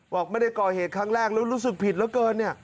บอกไม่ได้ก่อเหตุครั้งแรกแล้วรู้สึกผิดเหลือเกินเนี่ย